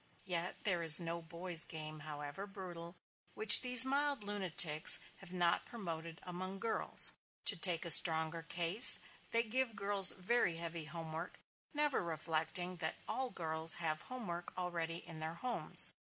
Yet there is no boy's game, however brutal, which these mild lunatics have not promoted among girls. To take a stronger case, they give girls very heavy home work; never reflecting that all girls have home work already in their homes.